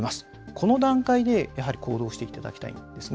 この段階で行動していただきたいんです。